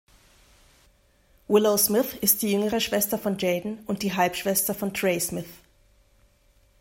Willow Smith ist die jüngere Schwester von Jaden und die Halbschwester von Trey Smith.